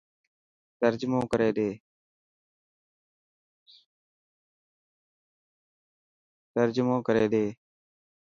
ترجمو ڪري ڏي.